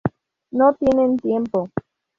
No tienen tiempo.